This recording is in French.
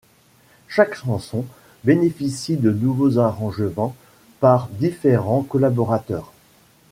Chaque chanson bénéficie de nouveaux arrangements par différents collaborateurs.